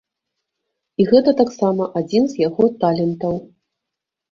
І гэта таксама адзін з яго талентаў.